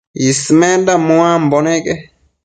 Ismenda muambo neque